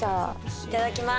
いただきまーす。